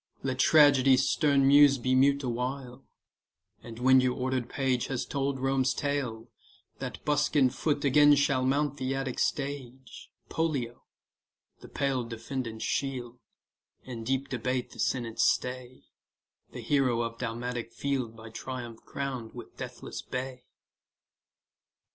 Let Tragedy's stern muse be mute Awhile; and when your order'd page Has told Rome's tale, that buskin'd foot Again shall mount the Attic stage, Pollio, the pale defendant's shield, In deep debate the senate's stay, The hero of Dalmatic field By Triumph crown'd with deathless bay.